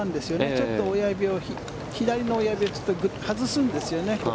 ちょっと左の親指を外すんですよね。